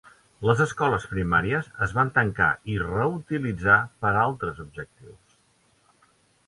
Les escoles primàries es van tancar i reutilitzar per a altres objectius.